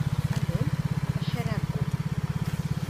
Anem a Xeraco.